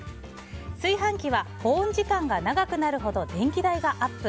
炊飯器は保温時間が長くなるほど電気代がアップ。